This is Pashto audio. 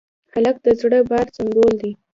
هلک د زړه د باور سمبول دی.